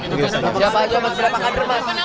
mas berapa kader mas